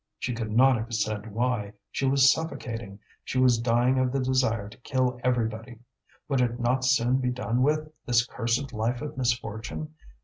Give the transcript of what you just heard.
She could not have said why, she was suffocating, she was dying of the desire to kill everybody. Would it not soon be done with, this cursed life of misfortune?